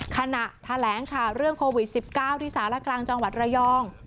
ขณะแถลงข่าวเรื่องโควิด๑๙ที่สารกลางจังหวัดระยอง